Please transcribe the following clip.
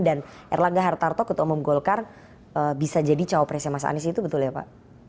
dan erlangga hartarto ketua umum golkar bisa jadi cowok presiden mas anies itu betul ya pak